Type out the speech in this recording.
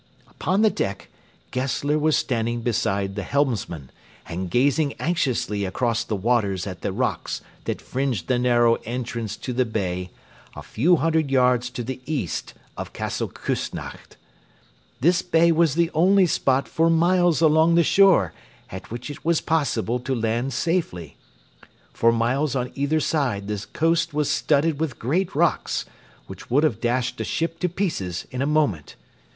Upon the deck Gessler was standing beside the helmsman, and gazing anxiously across the waters at the rocks that fringed the narrow entrance to the bay a few hundred yards to the east of Castle Küssnacht. This bay was the only spot for miles along the shore at which it was possible to land safely. For miles on either side the coast was studded with great rocks, which would have dashed a ship to pieces in a moment.